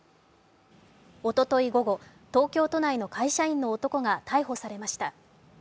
おととい午後、東京都内の会社員の男が逮捕されました。